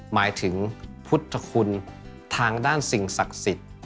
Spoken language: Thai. หมายถึงพุทธคุณทางด้านสิ่งศักดิ์สิทธิ์